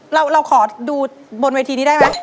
เราขอดูบนเวทีนี้ได้ไหม